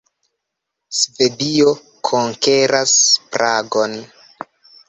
Svedio konkeras Pragon.